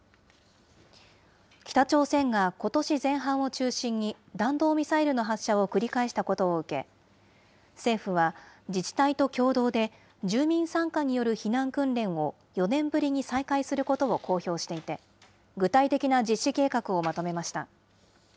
北朝鮮がことし前半を中心に弾道ミサイルの発射を繰り返したことを受け、政府は自治体と共同で住民参加による避難訓練を、４年ぶりに再開することを公表していて、具体的な実施計画をまとめました。